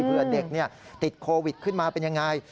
เพื่อเด็กติดโควิดขึ้นมาเป็นยังไง